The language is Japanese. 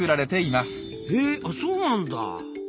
えあそうなんだ。